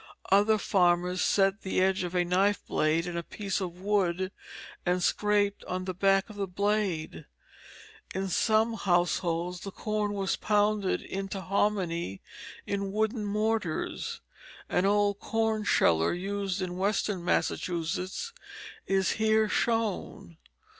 Other farmers set the edge of a knife blade in a piece of wood and scraped on the back of the blade. In some households the corn was pounded into hominy in wooden mortars. An old corn sheller used in western Massachusetts is here shown.